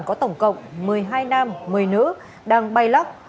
có tổng cộng một mươi hai nam một mươi nữ đang bay lắc